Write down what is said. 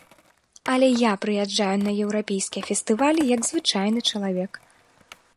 Але я прыязджаю на еўрапейскія фестывалі як звычайны чалавек.